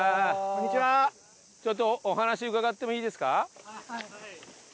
ちょっとお話伺ってもいいですか？